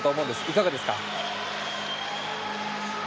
いかがですか？